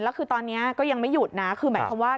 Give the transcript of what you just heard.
แล้วคือตอนนี้ก็ยังไม่หยุดนะคือหมายความว่า